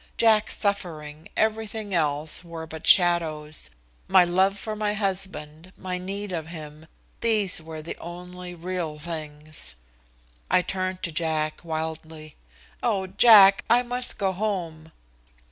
Jack's suffering, everything else, were but shadows. My love for my husband, my need of him these were the only real things. I turned to Jack wildly. "Oh, Jack, I must go home!"